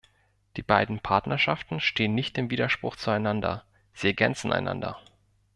Die beiden Partnerschaften stehen nicht im Widerspruch zueinander, sie ergänzen einander.